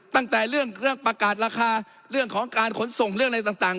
ตั้งแต่เรื่องประกาศราคาเรื่องของการขนส่งเรื่องอะไรต่าง